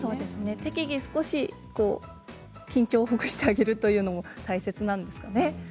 適宜緊張をほぐしてあげるということも大切なんですよね。